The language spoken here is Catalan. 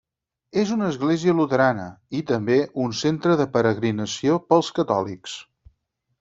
És una església luterana, i també un centre de peregrinació pels catòlics.